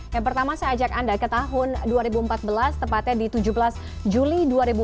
yang pertama saya ajak anda ke tahun dua ribu empat belas tepatnya di tujuh belas juli dua ribu enam belas